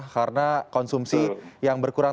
karena konsumsi yang berkurang